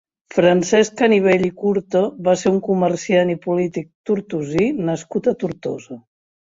Francesc Canivell i Curto va ser un comerciant i polític tortosí nascut a Tortosa.